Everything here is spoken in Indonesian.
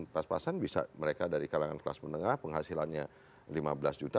pas pasan bisa mereka dari kalangan kelas menengah penghasilannya lima belas juta